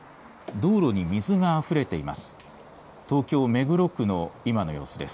道路に水があふれています。